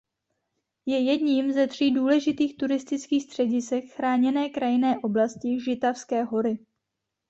Je jedním ze tří důležitých turistických středisek Chráněné krajinné oblasti Žitavské hory.